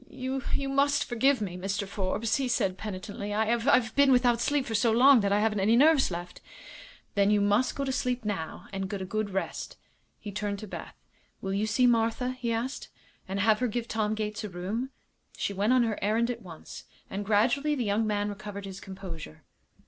"You you must forgive me, Mr. Forbes," he said, penitently; "I I've been without sleep for so long that I haven't any nerves left." "Then you must go to sleep now, and get a good rest." He turned to Beth. "Will you see Martha," he asked, "and have her give Tom Gates a room?" She went on her errand at once, and gradually the young man recovered his composure.